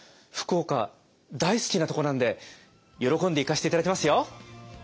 福岡大好きなとこなんで喜んで行かせて頂きますよ。